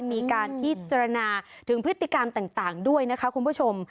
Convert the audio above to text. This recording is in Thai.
มีการพิจารณาถึงพฤติกรรมต่างด้วยนะคะคุณผู้ชม